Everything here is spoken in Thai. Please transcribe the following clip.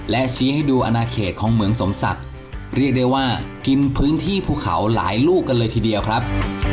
และชี้ให้ดูอนาเขตของเหมืองสมศักดิ์เรียกได้ว่ากินพื้นที่ภูเขาหลายลูกกันเลยทีเดียวครับ